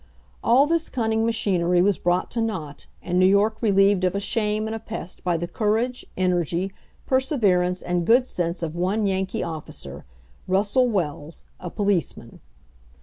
All this cunning machinery was brought to naught and New York relieved of a shame and a pest by the courage, energy, perseverance, and good sense of one Yankee officer Russell Wells, a policeman.